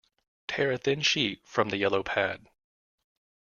Tear a thin sheet from the yellow pad.